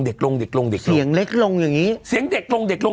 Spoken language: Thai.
เด็กลงเด็กลงเด็กลงเด็กลงเด็กลงเด็กลงเด็กลงเด็กลงเด็กลง